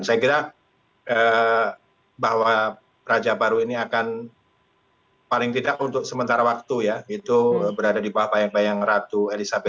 saya kira bahwa raja baru ini akan paling tidak untuk sementara waktu ya itu berada di bawah bayang bayang ratu elizabeth